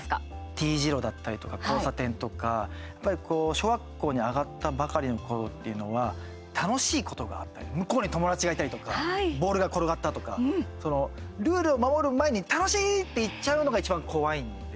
Ｔ字路だったりとか交差点とか、やっぱり小学校に上がったばかりのころっていうのは楽しいことがあったり向こうに友達がいたりとかボールが転がったとかルールを守る前に、楽しい！って行っちゃうのがいちばん怖いんで。